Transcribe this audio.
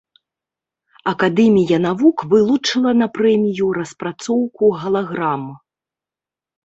Акадэмія навук вылучыла на прэмію распрацоўку галаграм.